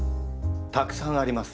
たくさんあります。